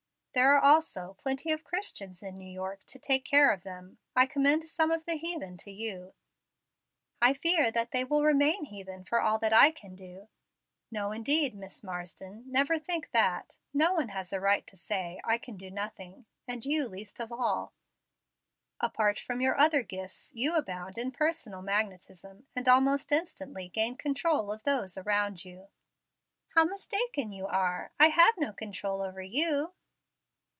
"There are also plenty of Christians in New York to take care of them. I commend some of the heathen to you." "I fear that they will remain heathen for all that I can do." "No, indeed, Miss Marsden. Please never think that. No one has a right to say, 'I can do nothing,' and you least of all. Apart from your other gifts, you abound in personal magnetism, and almost instantly gain control of those around you." "How mistaken you are! I have no control over you."